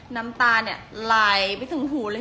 น้ำตาเนี่ยไหลไปถึงหูเลย